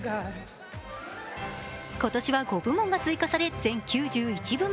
今年は５部門が追加され全９１部門。